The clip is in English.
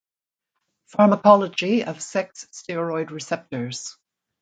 Pharmacology of sex steroid receptors.